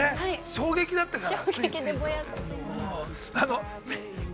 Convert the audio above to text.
衝撃だったから。